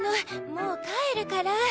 もう帰るから。